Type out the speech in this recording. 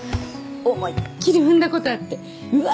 思いっきり踏んだことあってうわ